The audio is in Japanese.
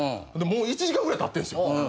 もう１時間ぐらいたってんすよ。